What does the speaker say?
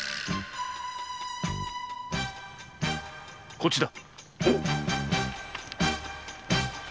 こっちだ！